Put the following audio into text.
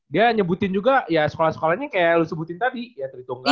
dia nyebutin juga ya sekolah sekolahnya kayak lu sebutin tadi ya tritunggal